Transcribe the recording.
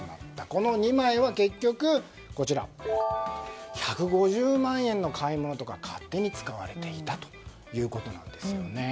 その２枚は結局１５０万円の買い物とか、勝手に使われていたということなんです。